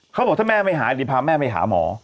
เขาบอกถ้าแม่ไม่หายดีพาแม่ไปหาหมอ